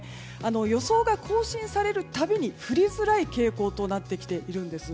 予想が更新されるたびに降りづらい傾向となってきているんです。